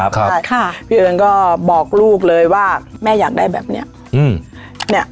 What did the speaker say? ใช่ค่ะพี่เอิญก็บอกลูกเลยว่าแม่อยากได้แบบเนี้ยอืมเนี้ย